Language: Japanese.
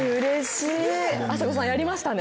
あさこさんやりましたね。